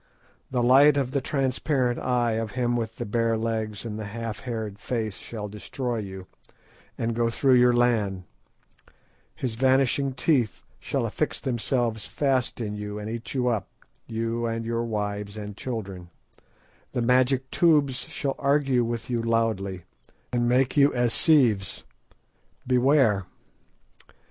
The light of the transparent eye of him with the bare legs and the half haired face shall destroy you, and go through your land; his vanishing teeth shall affix themselves fast in you and eat you up, you and your wives and children; the magic tubes shall argue with you loudly, and make you as sieves. Beware!"